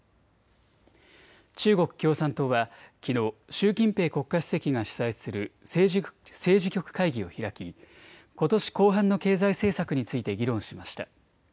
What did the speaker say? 中国共産党はきのう習近平国家主席が主宰する政治局会議を開き、ことし後半の経済政策について議論しました。